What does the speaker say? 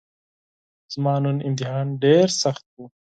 زما نن امتحان ډیرسخت وو